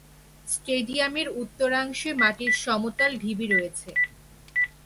স্টেডিয়ামের উত্তরাংশে মাটির সমতল ঢিবি রয়েছে।